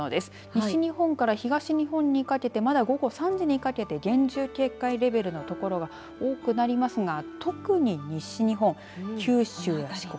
西日本から東日本にかけてまだ午後３時にかけて厳重警戒レベルの所が多くなりますが特に西日本、九州や四国。